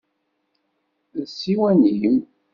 D ssiwan-im?